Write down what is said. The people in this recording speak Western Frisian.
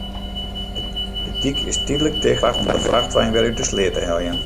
De dyk is tydlik ticht om de frachtwein wer út de sleat te heljen.